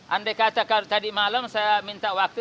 andai kata tadi malam saya minta waktu